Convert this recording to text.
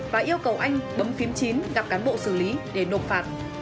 và yêu cầu anh bấm khiếm chín gặp cán bộ xử lý để nộp phạt